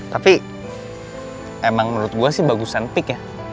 tapi emang menurut gue sih bagusan peak ya